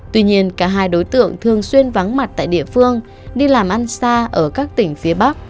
tuy nhiên cả hai đối tượng thường xuyên vắng mặt tại địa phương đi làm ăn xa ở các tỉnh phía bắc